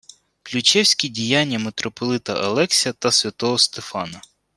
Ключевський діяння митрополита Алексія та святого Стефана: